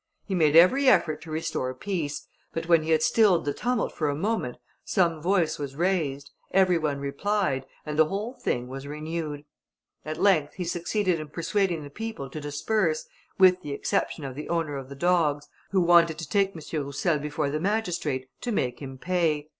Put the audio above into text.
He made every effort to restore peace, but when he had stilled the tumult for a moment, some voice was raised, every one replied, and the whole thing was renewed. At length he succeeded in persuading the people to disperse, with the exception of the owner of the dogs, who wanted to take M. Roussel before the magistrate to make him pay.